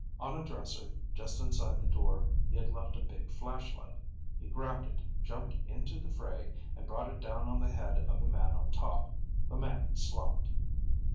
On a dresser just inside the door he had left a big flashlight. He grabbed it, jumped into the fray, and brought it down on the head of the man on top. The man slumped.